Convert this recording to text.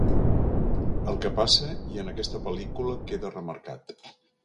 El que passa i en aquesta pel·lícula queda remarcat.